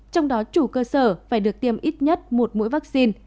trong đó chủ cơ sở phải được tiêm ít nhất một mũi vaccine